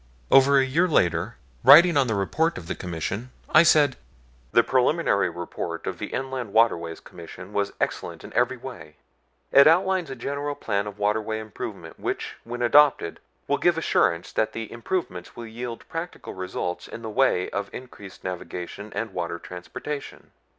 Over a year later, writing on the report of the Commission, I said: "The preliminary Report of the Inland Waterways Commission was excellent in every way. It outlines a general plan of waterway improvement which when adopted will give assurance that the improvements will yield practical results in the way of increased navigation and water transportation.